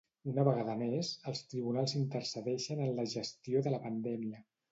Una vegada més, els tribunals intercedeixen en la gestió de la pandèmia.